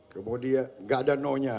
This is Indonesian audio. kemudian nggak ada no nya